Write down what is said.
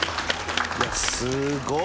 いやすごい。